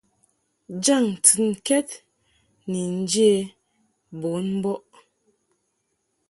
Jaŋ ntɨnkɛd ni njě bun mbɔʼ.